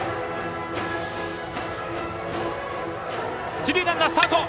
一塁ランナー、スタート！